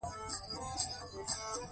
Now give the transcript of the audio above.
د نولسمې پېړۍ په افریقا کې استعمار پیل شو.